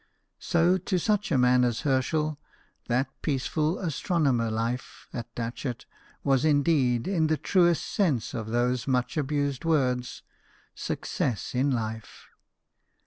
So, to such a man as Herschel, that peaceful astronomer life at Datchet was indeed, in the truest sense of those much abused words, "success in life."